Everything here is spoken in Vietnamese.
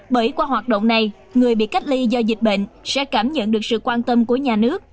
bởi qua hoạt động này người bị cách ly do dịch bệnh sẽ cảm nhận được sự quan tâm của nhà nước